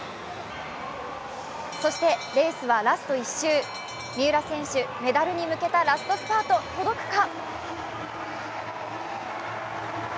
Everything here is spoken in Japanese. そしてレースはラスト１周、三浦選手、メダルに向けたラストスパート、届くか。